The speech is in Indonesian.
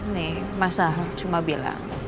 nih masa cuma bilang